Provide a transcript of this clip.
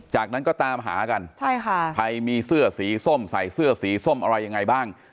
จากนั้นก็ตามหากันใช่ค่ะใครมีเสื้อสีส้มใส่เสื้อสีส้มอะไรยังไงบ้าง